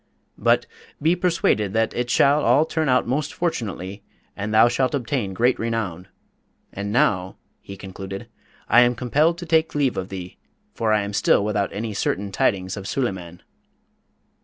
"But be persuaded that it shall all turn out most fortunately and thou shalt obtain great renown. And now," he concluded, "I am compelled to take leave of thee, for I am still without any certain tidings of Suleyman."